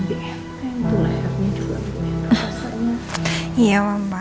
itu lehernya juga lebih enak